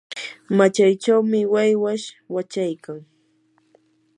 machaychawmi waywash wachaykan.